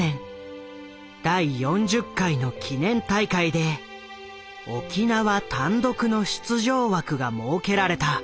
第４０回の記念大会で沖縄単独の出場枠が設けられた。